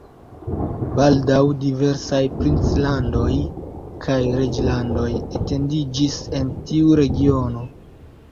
Baldaŭ diversaj princlandoj kaj reĝlandoj etendiĝis en tiu regiono.